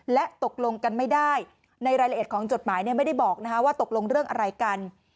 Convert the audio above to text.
และตกลงกันไม่ได้ในรายละเอียดของจดหมายไม่ได้บอกว่าตกลงเรื่องอะไรกัน